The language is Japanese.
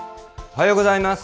おはようございます。